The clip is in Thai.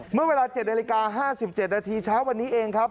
เมื่อเวลา๗นาฬิกา๕๗นาทีเช้าวันนี้เองครับ